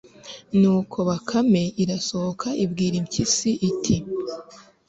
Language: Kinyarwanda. nuko bakame irasohoka ibwira impyisi iti